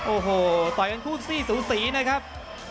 โอ้โหต่อยกันคู่ซี่สูสีนะครับ